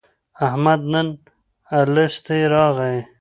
احمد نن الستی راغی.